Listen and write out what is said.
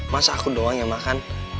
masa aku doang yang makan